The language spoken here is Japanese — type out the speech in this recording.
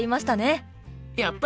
やった！